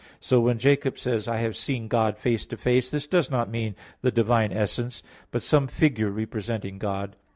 So when Jacob says, "I have seen God face to face," this does not mean the Divine essence, but some figure representing God.